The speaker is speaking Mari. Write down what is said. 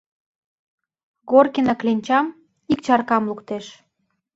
Горкина кленчам, ик чаркам луктеш.